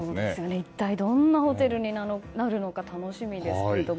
一体どんなホテルになるのか楽しみですけども。